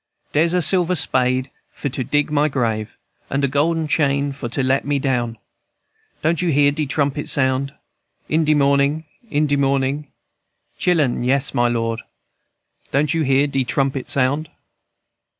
"Dere's a silver spade for to dig my grave And a golden chain for to let me down. Don't you hear de trumpet sound? In de mornin', In de mornin', Chil'en? Yes, my Lord! Don't you hear de trumpet sound?"